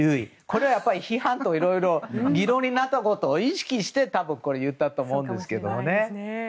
これはやっぱり批判といろいろ議論になったことを意識してこれ言ったと思うんですけどね。